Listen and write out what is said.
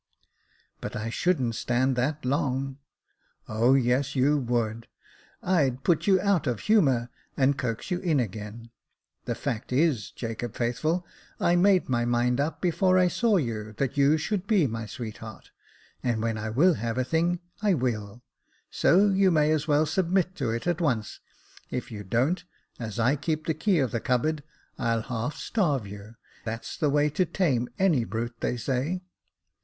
" But I shouldn't stand that long." " O yes, you would. I'd put you out of humour, and coax you in again ; the fact is, Jacob Faithful, I made my mind up, before I saw you, that you should be my sweet heart, and when I will have a thing, I will, so you may as well submit to it at once ; if you don't, as I keep the key of the cupboard, I'll half starve you ; that's the way to tame any brute, they say.